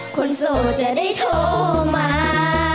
คนโสดจะได้โทรมา